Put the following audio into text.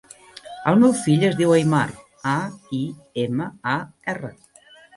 El meu fill es diu Aimar: a, i, ema, a, erra.